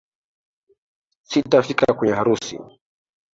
Sitafika kwenye harusi.